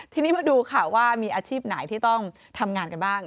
ทีนี้มาดูค่ะว่ามีอาชีพไหนที่ต้องทำงานกันบ้าง